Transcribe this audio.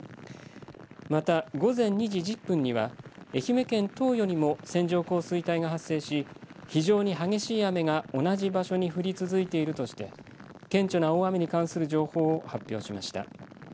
また、午前２時１０分には愛媛県東予にも線状降水帯が発生し非常に激しい雨が同じ場所に降り続いているとして顕著な大雨に関する情報を発表しました。